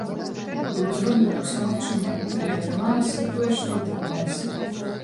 Было зроблена ўсё магчымае, але атрымалася тое, што атрымалася.